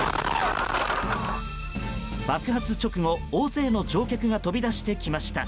爆発直後、大勢の乗客が飛び出してきました。